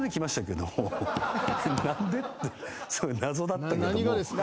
それ謎だったけども。